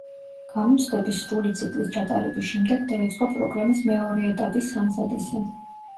გამოცდების სრული ციკლით ჩატარების შემდეგ დაიწყო პროგრამის მეორე ეტაპის სამზადისი.